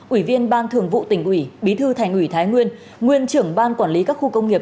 ủy viên ban thường vụ tỉnh ủy bí thư thành ủy thái nguyên nguyên trưởng ban quản lý các khu công nghiệp